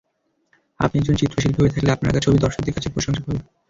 আপনি একজন চিত্রশিল্পী হয়ে থাকলে আপনার আঁকা ছবি দর্শকদের কাছে প্রশংসা পাবে।